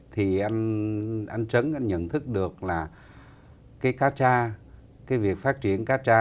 thì anh trấn nhận thức được là cái cá tra cái việc phát triển cá tra